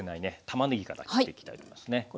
たまねぎから切っていきたいと思いますね。